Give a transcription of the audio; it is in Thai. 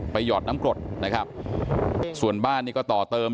หยอดน้ำกรดนะครับส่วนบ้านนี่ก็ต่อเติม